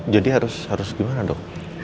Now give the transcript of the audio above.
jadi harus gimana dok